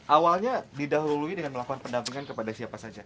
awalnya didahului dengan melakukan pendampingan kepada siapa saja